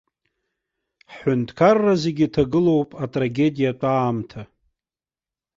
Ҳҳәынҭқарра зегьы ҭагылоуп атрагедиатә аамҭа.